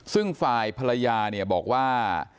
ซึ่งฝ่ายภรรยาเนี่ยบอกว่า